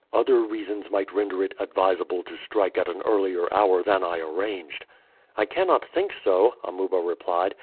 Other reasons might render it advisable to strike at an earlier hour than I arranged." "I cannot think so," Amuba replied.